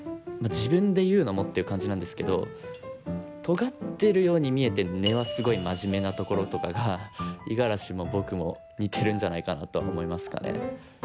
自分で言うのもっていう感じなんですけどとがってるように見えて根はすごいマジメなところとかが五十嵐も僕も似てるんじゃないかなとは思いますかね。